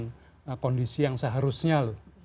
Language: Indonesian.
tata kelola ini tidak sesuai dengan kondisi yang seharusnya loh